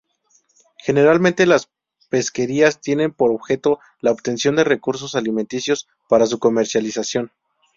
Generalmente las pesquerías tienen por objeto la obtención de recursos alimenticios para su comercialización.